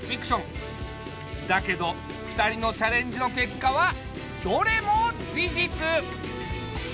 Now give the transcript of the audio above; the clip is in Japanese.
だけど２人のチャレンジのけっかはどれも事実！